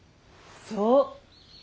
そう！